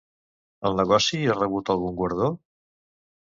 El negoci ha rebut algun guardó?